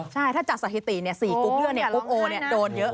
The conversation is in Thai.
ใช่ถ้าจัดสถิติเนี่ย๔กลุ๊ปเรือกลุ๊ปโอโดนเทเยอะ